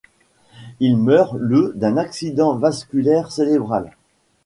Il meurt le d'un accident vasculaire cérébral.